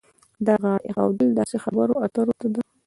دا غاړه ایښودل داسې خبرو اترو ته ده.